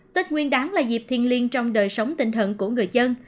tết nguyên đáng là dịp thiên liên trong đời sống tinh thần của người dân